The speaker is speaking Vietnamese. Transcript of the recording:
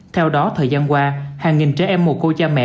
theo đó thời gian qua hàng nghìn trẻ em mù cô cha mẹ